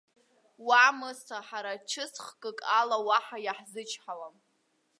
Уа, Мыса! Ҳара чысхкык ала уаҳа иаҳзычҳауам.